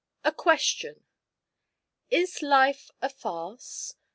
_ A QUESTION. Is life a farce?